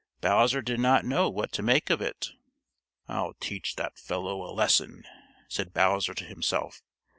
Bowser did not know what to make of it. "I'll teach that fellow a lesson," said Bowser to himself.